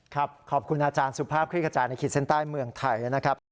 ครับขอบคุณอาจารย์สุภาพเครียดกระจายในเครียดเส้นใต้เมืองไทยแล้วนะครับ